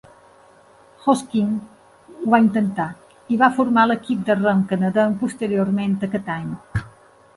Hoskins ho va intentar i va formar l'equip de rem canadenc posteriorment aquest any.